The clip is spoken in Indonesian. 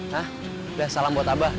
nah udah salam buat abah